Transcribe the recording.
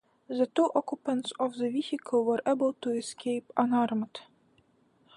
The two occupants of the vehicle were able to escape unharmed.